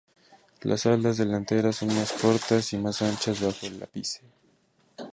Las alas delanteras son más cortas y más anchas bajo el ápice.